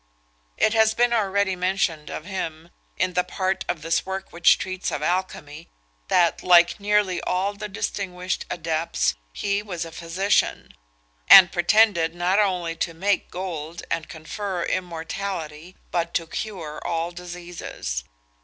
It has been already mentioned of him, in the part of this work which treats of alchymy, that, like nearly all the distinguished adepts, he was a physician; and pretended, not only to make gold and confer immortality, but to cure all diseases.